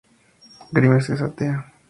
Grimes es atea.